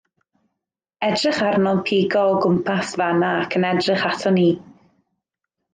Edrych arno'n pigo o gwmpas fan 'na ac yn edrych aton ni.